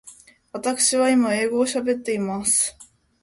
わたくしは今英語を喋っています。